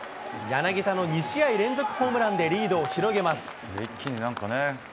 柳田の２試合連続ホームランでリードを広げます。